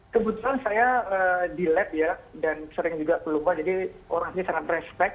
kebetulan saya di lab ya dan sering juga kelupa jadi orang ini sangat respect